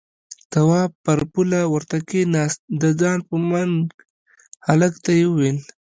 تواب پر پوله ورته کېناست، د ځان په منګ هلک ته يې وويل: